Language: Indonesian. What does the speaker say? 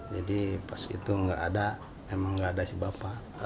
jadi pas itu nggak ada memang nggak ada si bapak